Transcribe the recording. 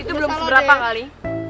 itu belum seberapa kali